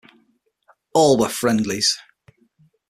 All were friendlies.